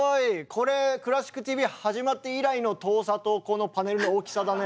これ「クラシックＴＶ」始まって以来の遠さとこのパネルの大きさだね。